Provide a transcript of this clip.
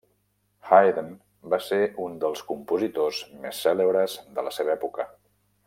Haydn va ser un dels compositors més cèlebres de la seva època.